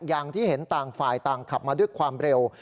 อย่างที่เห็นต่างฝ่ายต่างขับมาด้วยความเร็ว